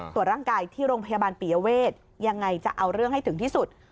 ตรวจร่างกายที่โรงพยาบาลปียเวทยังไงจะเอาเรื่องให้ถึงที่สุด